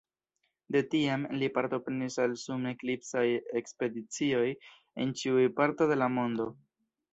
De tiam, li partoprenis al sun-eklipsaj ekspedicioj en ĉiuj parto de la mondo.